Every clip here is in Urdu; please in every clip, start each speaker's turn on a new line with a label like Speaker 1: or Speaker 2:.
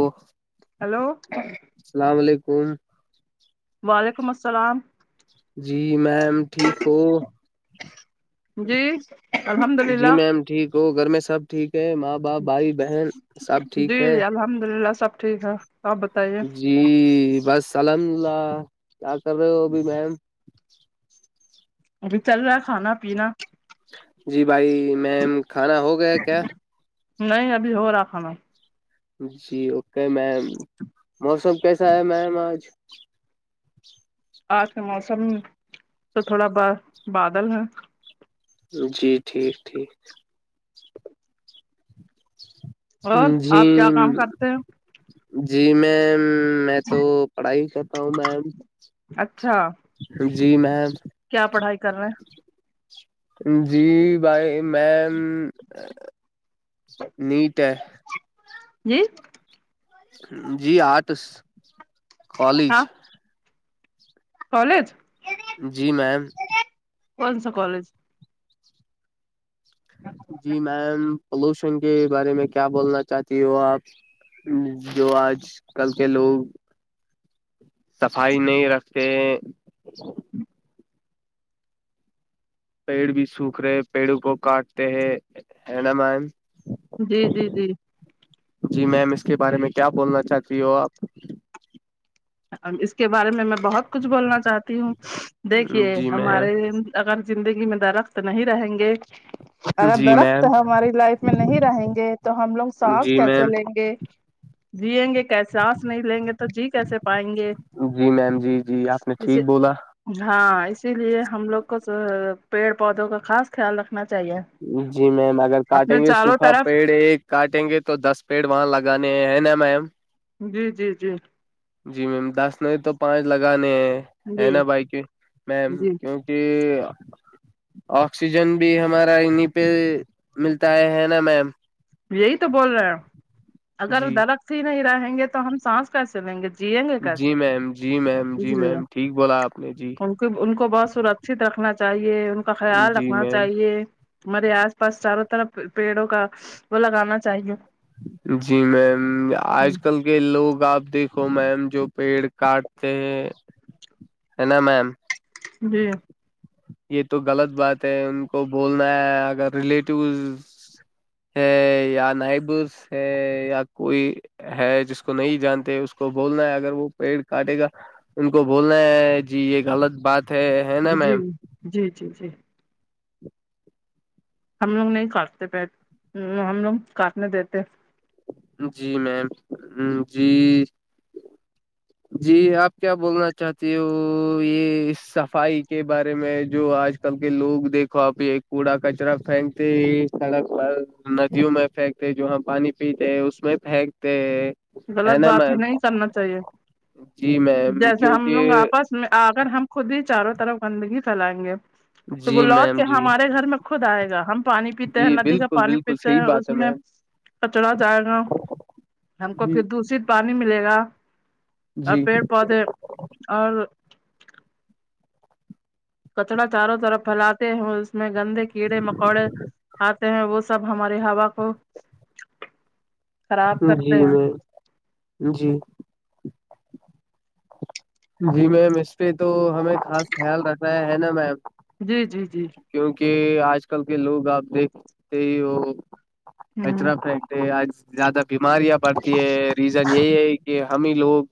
Speaker 1: وہ
Speaker 2: ہلو
Speaker 1: السلام علیکم
Speaker 2: وعلیکم السلام
Speaker 1: جی میم ٹھیک ہو
Speaker 2: جی الحمد
Speaker 1: جی
Speaker 2: للہ
Speaker 1: میم ٹھیک ہو گھر میں سب ٹھیک ہے ماں باپ بھائی بہن سب ٹھیک
Speaker 2: جی
Speaker 1: ہے
Speaker 2: الحمد للہ سب ٹھیک ہے آپ بتائیے
Speaker 1: جی بس الحمد اللہ کیا کر رہے ہو ابھی میم
Speaker 2: ابھی چل رہا ہے کھانا پیینا
Speaker 1: جی بھائی میم کھانا ہو گیا کیا
Speaker 2: نہیں ابھی ہو رہا کھانا
Speaker 1: جی اوکے میم موسم کیسا ہے میم آج
Speaker 2: آج کا موسم تو تھوڑا ب بادل ہے
Speaker 1: جی ٹھیک ٹھیک
Speaker 2: اور
Speaker 1: جی
Speaker 2: آپ کیا کام کرتے ہیں
Speaker 1: جی میںیم میں تو پڑھائی کرتا ہوں میم
Speaker 2: اچھا
Speaker 1: جی میم
Speaker 2: کیا پڑھائی کر رہے ہیں
Speaker 1: جی بھائی میم نیٹ ہے
Speaker 2: جی
Speaker 1: جی آرٹس کالج
Speaker 2: ہاں کالج
Speaker 1: جی میم
Speaker 2: کون سا کالج
Speaker 1: جی میم پولوشن کے بارے میں کیا بولنا چاہتی ہو آپ جو آج کل کے لوگ صفائی نہیں رکھتے پیڑ بھی سوکھ رہے پیڑوں کو کاٹتے ہیں ہے نا میم
Speaker 2: جی جی جی
Speaker 1: جی میم اس کے بارے میں کیا بولنا چاہتی ہو آپ
Speaker 2: ا اس کے بارے میں میں بہت کچھ بولنا چاہتی ہوں دیکھیے
Speaker 1: جی
Speaker 2: ہمارے
Speaker 1: میم
Speaker 2: اگر زندگی میں درخت نہیں رہیں گے اگر
Speaker 1: جی
Speaker 2: درخت
Speaker 1: میم
Speaker 2: ہماری لائف میں نہیں رہیں گے تو ہم لوگ سانس
Speaker 1: جی
Speaker 2: کیسے
Speaker 1: میم
Speaker 2: لیں گے جیئیں گے کیساساس نہیں لیں گے تو جی کیسے پائیں گے
Speaker 1: جی میم جی جی آپ نے ٹھیک
Speaker 2: جسے
Speaker 1: بولا
Speaker 2: ہاں اسی لیے ہم لوگ کو پیڑ پودوں کا خاص خیال رکھنا چاہیے
Speaker 1: جی میم اگر کاٹیں
Speaker 2: اپنے
Speaker 1: گے
Speaker 2: چاروں
Speaker 1: سوکھا
Speaker 2: طرف
Speaker 1: پیڑ ایک کاٹیں گے تو دس پیڑ وہاں لگانے ہیں نا میم
Speaker 2: جی جی جی
Speaker 1: جی میم دس نہیں تو پانچ لگانے ہیں ہے
Speaker 2: جی
Speaker 1: نا بھائی کی میم
Speaker 2: جی
Speaker 1: کی کہ آکسیجن بھی ہمارا انیں پہ ملتا ہے ہے نا میم
Speaker 2: یہی تو بول رہے ہیں اگر وہ
Speaker 1: جی
Speaker 2: درخت ہی نہیں رہیں گے تو ہم سانس کیسے لیں گے جیئیں گے
Speaker 1: جی
Speaker 2: کیسے
Speaker 1: میم جی میم جی
Speaker 2: اس لیے
Speaker 1: میم ٹھیک بولا آپ نے جی
Speaker 2: ان ان کو بہت سرکچت رکھنا چاہیے ان کا خیال
Speaker 1: جی
Speaker 2: رکھنا
Speaker 1: میم
Speaker 2: چاہیے ہمارے آس پاس چاروں طرف پیڑوں کا وہ لگانا چاہیے
Speaker 1: جی میم
Speaker 2: جی
Speaker 1: آج کل کہ لوگ آپ دیکھو میم جو پیڑ کاٹتے ہیں ہے نا میم
Speaker 2: جی
Speaker 1: یہ تو غلط بات ہے ان کو بولنا ہے اگر ریلیٹیوز ہے یا نائبرس ہے یا کوئی ہے جس کو نہیں جانتے اس کو بولنا ہے اگر وہ پیڑ کاٹے گا ان کو بولنا ہے جی یہ غلط بات ہے ہے نا
Speaker 2: جی
Speaker 1: میم
Speaker 2: جی جی جی ہم لوگ نہیں کاٹتے پیڑ ہم لوگ کاٹنے دیتے
Speaker 1: جی میم جی جی آپ کیا بولنا چاہتی ہو یہ صفائی کے بارے میں جو آج کل کے لوگ دیکھو آپ یہ کوڑا کچرا پھینکتے سڑک پر ندیوں میں پھینک جو ہاں پانی پیتے اس میں پھینکتے
Speaker 2: غلط
Speaker 1: نا
Speaker 2: بات ہے
Speaker 1: میم
Speaker 2: نہیں کرنا چاہیے
Speaker 1: جی میم
Speaker 2: جیسے ہم لوگ
Speaker 1: کیونکہ
Speaker 2: آپس آگر ہم خود ہی چاروں طرف گندگی پھیلائیں گے تو وہ
Speaker 1: جی
Speaker 2: لوٹ
Speaker 1: میم
Speaker 2: کے
Speaker 1: جی
Speaker 2: ہمارے گھر میں خود آئے گا ہم پانی پیتے ہیں
Speaker 1: جی
Speaker 2: ندی کا
Speaker 1: بالکل
Speaker 2: پانی
Speaker 1: بالکل
Speaker 2: پیتے
Speaker 1: صحیح
Speaker 2: ہیں
Speaker 1: بات
Speaker 2: اس
Speaker 1: ہے
Speaker 2: میں
Speaker 1: میم
Speaker 2: کچرا جائے گا ہم کو
Speaker 1: جی
Speaker 2: پھر دشت پانی ملے گا اور
Speaker 1: جی
Speaker 2: پیڑ پودے اور کچرا چاروں طرف پھیلاتے ہیں اس میں گندے کیڑے مکوڑے آتے ہیں وہ سب ہماری ہوا کو خراب
Speaker 1: [inaudible] جی
Speaker 2: کرتے ہیں
Speaker 1: میں جی جی میم اسٹری تو ہمیں خاص خیال رکھتا ہے ہے نا میم
Speaker 2: جی جی جی
Speaker 1: کیوںکہ آج کل کے لوگ آپ دیکھتے ہی ہو
Speaker 2: ہوں
Speaker 1: کچرا پھے آج زیادہ بیماریاں بڑتی ہے ریزن یہی ہے کہ ہم ہی لوگ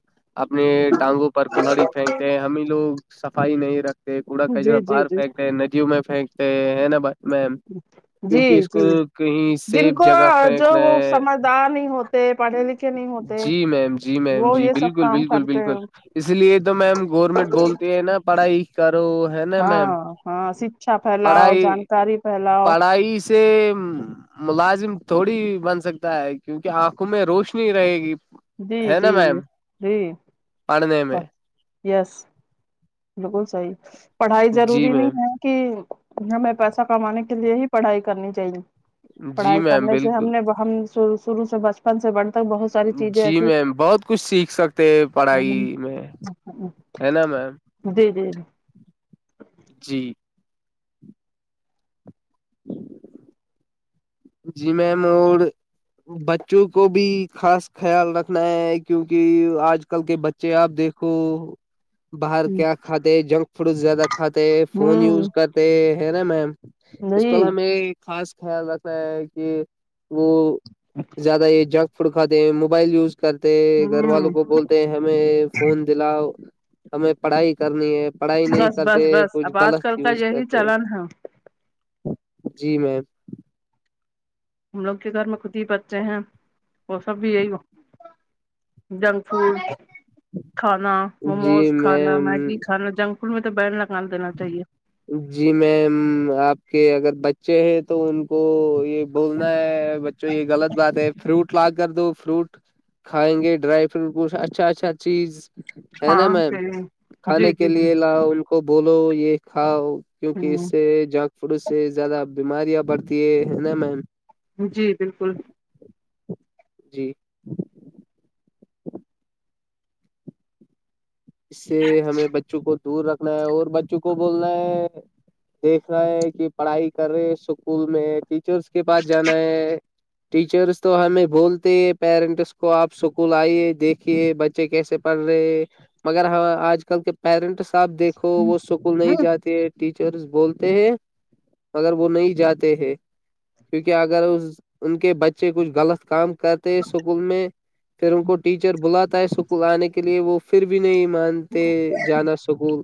Speaker 1: اپنے ٹانگوں پر کولہڑی پھینکتے ہیں ہمیں لوگ صفائی نہیں رکھتے کوڑا کچڑا
Speaker 2: جی جی
Speaker 1: باہر
Speaker 2: جی
Speaker 1: پھینکتے ہیں ندیوں میں پھینکتے ہیں نا بھائی
Speaker 2: جی جی
Speaker 1: کہیں
Speaker 2: جن
Speaker 1: سیف
Speaker 2: کو
Speaker 1: جگہ
Speaker 2: جو
Speaker 1: پھینکنا
Speaker 2: وہ
Speaker 1: ہے
Speaker 2: سمجھدار نہیں ہوتا پڑانی ل
Speaker 1: جی میم جی میم جی
Speaker 2: سب
Speaker 1: بالکل
Speaker 2: کام
Speaker 1: بالکل
Speaker 2: کرتے
Speaker 1: بالکل
Speaker 2: ہیں
Speaker 1: اس لیے تو میم گورنمنٹ بولتے ہیں نا پڑھائی کرو ہے نا میم
Speaker 2: ہاں ہاں شکچھا پھیلاؤ
Speaker 1: پڑھائی
Speaker 2: جانکاری پھیلاؤ
Speaker 1: پڑھائی سے ملازم تھوڑی بن سکتا ہے کیونکہ آنکھوں میں روشنی ک رہے گی
Speaker 2: جی
Speaker 1: ہے
Speaker 2: جی
Speaker 1: نا میم
Speaker 2: یس جی
Speaker 1: پڑھنے میں
Speaker 2: یس بالکل صحیح پڑھائی
Speaker 1: جی
Speaker 2: ضروری نہیں ہے
Speaker 1: میم
Speaker 2: کہ ہمیں پیسہ کمانے کے لیے ہی پڑھائی کرنی چاہیے
Speaker 1: جی
Speaker 2: پڑھائی
Speaker 1: میم
Speaker 2: کرنے سے ہم
Speaker 1: بالکل
Speaker 2: نے ہم شروع سے بچپن سے بڑھ تک بہت ساری چیزیں
Speaker 1: جی
Speaker 2: ایسی
Speaker 1: میم بہت کچھ سیکھ سکتے ہیں پڑھائی میں ہے نا میم
Speaker 2: جی جی جی
Speaker 1: جی جی میم اور بچوں کو بھی خاص خیال رکھنا ہے کیونک آج کل کے ب چے آپ دیکھو باہر
Speaker 2: ہ
Speaker 1: کیا کھاتے ہیں جنک فوڈ زیادہ کھاتے فون یوز کرتے ہیں ہے نا میم
Speaker 2: ہ
Speaker 1: اس پر
Speaker 2: جی
Speaker 1: ہمیں خاص خیال رکھنا ہے کہ وہ زیادہ یہ جنک فوڈ کھاتے ہیں موبائل یوز کرتے ہیں گھر والوں
Speaker 2: ہ
Speaker 1: کو بول ہمیں فون دلاؤ ہمیں پڑھائی کرنی ہے پڑھائی نہیں
Speaker 2: بس بس
Speaker 1: کرتے
Speaker 2: بس
Speaker 1: کچھ
Speaker 2: اب آج کل
Speaker 1: غلط
Speaker 2: کا
Speaker 1: یوز
Speaker 2: یہی
Speaker 1: کرتے
Speaker 2: چلن ہے
Speaker 1: جی میم
Speaker 2: ہم لوگ کے گھر میں خود ہی بچے ہیں وہ سب بھی یہی وہ جنک فوڈ کھانا
Speaker 1: جی
Speaker 2: موموز کھانا
Speaker 1: میم
Speaker 2: میگی کھانا جنک اسکول میں تو بیین لگال دا چاہیے
Speaker 1: جی میم آپ کے اگر بچے ہیں تو ان کو یہ بولنا ہے بچوں یہ غلط بات ہے فروٹ لا کر دو فروٹ کھائیں گے ڈرائی فروٹ کچھ اچھا اچھا چیز ہے نا
Speaker 2: ہاں
Speaker 1: میم
Speaker 2: جی
Speaker 1: کھانے
Speaker 2: جی
Speaker 1: کے
Speaker 2: جی
Speaker 1: لیے لاؤ ان کو بولو یہ کھاؤ کیونکہ اس
Speaker 2: ہ
Speaker 1: سے جنک فوڈ سے زیادہ بیماریاں بڑھتی ہے نا میم
Speaker 2: جی بالکل
Speaker 1: جی اس سے ہمیں بچوں کو دور رکھنا ہے اور بچوں کو بولنا ہے دیکھ رہا ہے کہ پڑھائی کر رہے اسکول میں ٹیچرس کے پاس جانا ہے ٹیچرس تو ہمیں بولتے ہے پیرنٹس کو آپ اسکول آئیے دیکھیے بچے کیسے پڑھ رہے مگر ہ آج کل کے پیرنٹ صاحب دیکھو وہ اسکول
Speaker 2: ہ
Speaker 1: نہیں جاتے ٹیچرز بولتے ہیں مگر وہ نہیں جاتے ہیں کیوںکہ اگر اس ان کے بچے کچھ غلط کام کرتے ہیں اسکول میں پھر ان کو ٹیچر بلاتا ہے اسکول آنے کے لیے وہ پھر بھی بھی نہیں مانتے جانا سکول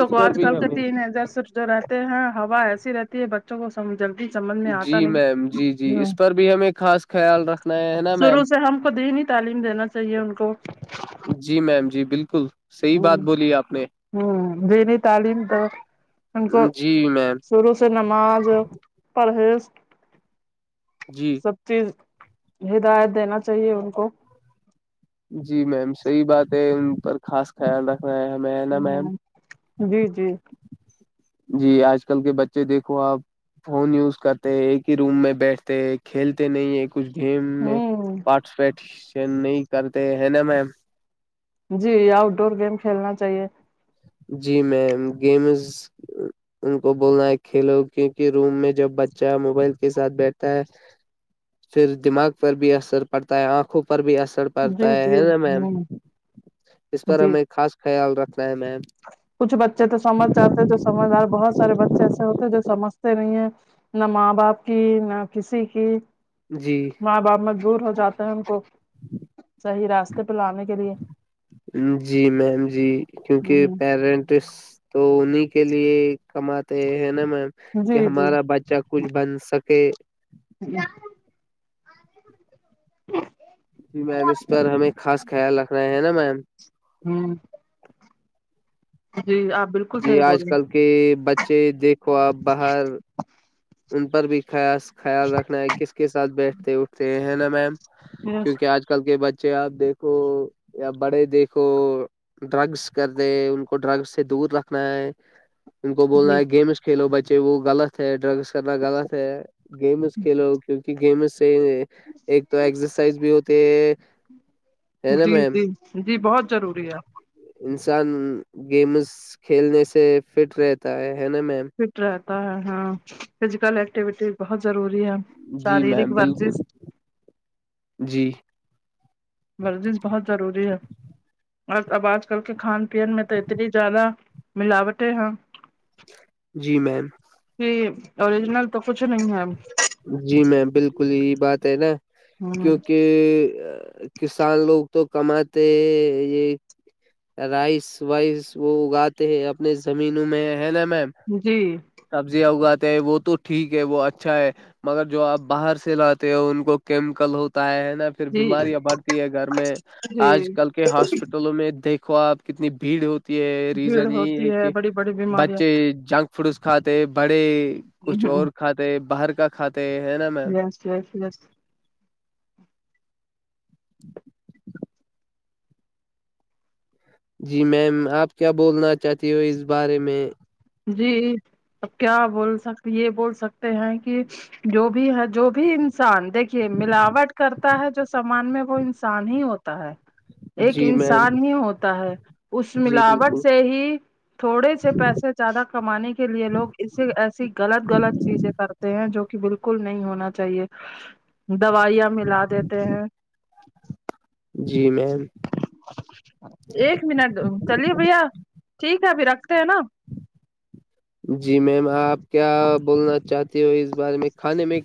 Speaker 1: اس پر بھی ہمیں
Speaker 2: ار سو جو رہتے ہیں ہا ایسی رہتی ہے ب بچوں کو س جلدی سمجھ میں آتا
Speaker 1: جی میم جی
Speaker 2: نہیں
Speaker 1: جی
Speaker 2: ہ
Speaker 1: اس پر بھی ہمیں خاص خیال رکھنا ہے نا
Speaker 2: شروع
Speaker 1: میم
Speaker 2: سے ہم کو دہنیی تعلیم دینا چاہیے ان کو
Speaker 1: جی میم جی بالکل صحیح
Speaker 2: ہ
Speaker 1: بات بولی آپ نے
Speaker 2: ہوں دینی تعلیم تو ان کو
Speaker 1: جی میم
Speaker 2: شروع سے نماز پرہیز
Speaker 1: جی
Speaker 2: سب چیز ہدایت دینا چاہیے ان کو
Speaker 1: جی میم صحیح بات ہے ان پر خاص خیال رکھنا ہے ہمیں ہے نا میم
Speaker 2: ہوں جی جی
Speaker 1: جی آج کل کے بچے دیکھو آپ فون یوز کرتے ایک ہی روم میں بیٹھتے کھیلتے نہیں ایک کچھ گیم میں
Speaker 2: ہوں
Speaker 1: پارٹیسپیٹن نہیں کرتے ہیں نا میم
Speaker 2: جی آؤٹ ڈور گیم کھیلنا چاہیے
Speaker 1: جی میم گیمز ان کو بولنا ہے کھیلو کیونکہ روم میں جب بچہ موبائل کے ساتھ بیٹھتا ہے پھر دماغ پر بھی اثر پڑتا ہے آنکھوں پر بھی اثر پڑتا
Speaker 2: جی
Speaker 1: ہے
Speaker 2: جی
Speaker 1: ہے نا میم
Speaker 2: ہ
Speaker 1: اس پر
Speaker 2: جی
Speaker 1: ہمیں خاص خیال رکھنا ہے میم
Speaker 2: کچھ بچے تو سمجھ جاتے جو سمجھدار بہت سارے بچے ایسے ہوتے ہیں جو سمجھتے نہیں ہیں نہ ماں باپ کی نہ کسی کی
Speaker 1: جی
Speaker 2: ماں باپ مجبور ہو جاتے ہیں ان کو راستے پ لانے کے لیے
Speaker 1: جی میم جی کیونکہ
Speaker 2: ہ
Speaker 1: پیرنٹس تو انہیں کے لیے کماتے ہیں نا میم کہ
Speaker 2: جی
Speaker 1: ہمارا
Speaker 2: جی
Speaker 1: بچہ کچھ بن سکے
Speaker 2: یا [inaudible]
Speaker 1: جی میم اس پر ہمیں خاص خیال رکھنا ہے نا میم
Speaker 2: ہوں جی آپ بالکل
Speaker 1: جی
Speaker 2: صحیح
Speaker 1: آج
Speaker 2: بول
Speaker 1: کل
Speaker 2: رہے
Speaker 1: کے بچے دیکھو آپ باہر ان پر بھی خیا خیال رکھنا ہے کس کے ساتھ بیٹھتے اٹھتے ہیں نا میم
Speaker 2: ہیں
Speaker 1: کیونکہ آج کل کے بچے آپ دیکھو یا بڑے دیکھو ڈرگس کر د ان کو ڈرگس سے دور رکھنا ہے ان کو بولنا
Speaker 2: جی
Speaker 1: ہے گیمس کھیلو بچے وہ غط ہے ڈرگس کرنا غلط ہے گیمس کھیلو کیوںکہ گیمز صحیح ایک تو ایکسرسائز بھی ہوتی ہے نا
Speaker 2: جی
Speaker 1: میم
Speaker 2: جی جی بہت روری ہے
Speaker 1: انسان گیمز کھیلنے سے فٹ رہتا ہے ہے نا میم
Speaker 2: فٹ رہتا ہے ہاں فزیکل ایکٹیوٹی بہت ضروری ہے
Speaker 1: جی
Speaker 2: شارییرک
Speaker 1: میم بالکل
Speaker 2: ورزش
Speaker 1: جی
Speaker 2: ورزش بہت ضروری ہے اب آج کل کے کھان میں تو اتنی زیادہ ملاوٹیں ہ
Speaker 1: جی میم
Speaker 2: ج اورریجنل تو کچھ نہیں ہے [unintelligible]
Speaker 1: جی میںی بالکل یہی بات ہے نا
Speaker 2: ہ
Speaker 1: کیونکہ [unintelligible] کسان لوگ تو کماتے یہ رائس وائس وہ اگاتے ہیں اپنے زمینوں میں ہے نا میم
Speaker 2: جی [unintelligible]
Speaker 1: سبزیاں اگاتے ہیں وہ تو ٹھیک ہے وہ اچھا ہے مگر جو آپ باہر سے لاتے ہو ان کو کیمیکل ہوتا ہے نا پھر
Speaker 2: جی
Speaker 1: بیماریاں بڑھتی ہے گھر میں
Speaker 2: جی
Speaker 1: آج کل کے ہاسپٹل ٹلوں میں دیکھو آپ کتنی بھیڑ ہو
Speaker 2: بھیڑ
Speaker 1: ریزن یہی
Speaker 2: ہوتی
Speaker 1: ہے کہ
Speaker 2: بڑی بڑی بیماریاں
Speaker 1: بچے جنک فروس کھاتے بڑے کچھ اور کھاتے باہر کا کھاتے ہے نا میم
Speaker 2: جیی [unintelligible]
Speaker 1: [inaudible] جی میم آپ کیا بولنا چاہتی ہو اس بارے میں
Speaker 2: جی ا کیا بول سک یہ بول سکتے ہیں کہ جو بھی ہے جو بھی انسان [unintelligible] دیکھیے ملاوٹ کرتا ہے جو سامان میں وہ انسان ہی ہوتا ہے [unintelligible] ایک
Speaker 1: جی میم
Speaker 2: انسان ہی ہوتا ہے اس
Speaker 1: جی
Speaker 2: ملاوٹ
Speaker 1: بالکل
Speaker 2: سے ہی [unintelligible] تھوڑے سے پیسے زیادہ کمانے کے لیے لوگ اسے ایسی غلط غلط چیزیں کرتے ہیں جو کہ بالکل بالکل نہیں ہونا چاہیے دوائیاں ملا دیتے ہیں
Speaker 1: جی میم
Speaker 2: ایک منٹ چلیے بھیا ٹھیک ہے اب رکھتے ہیں نا
Speaker 1: جی میم آپ کیا بولنا چاہتی ہو اس بارے میں کھانے میں